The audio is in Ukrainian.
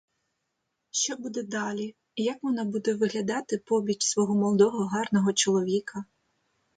Що буде далі, і як вона буде виглядати побіч свого молодого гарного чоловіка?